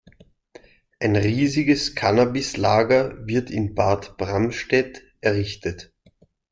Ein riesiges Cannabis-Lager wird in Bad Bramstedt errichtet.